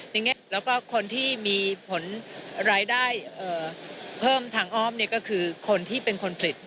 อย่างนี้แล้วก็คนที่มีผลรายได้เพิ่มทางอ้อมก็คือคนที่เป็นคนผลิต